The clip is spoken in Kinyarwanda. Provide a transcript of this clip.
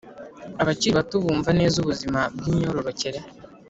abakiri bato bumva neza ubuzima bw’imyororokere